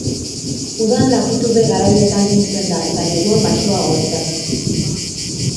Udan latitude garaietan biltzen da, eta neguan baxuagoetan.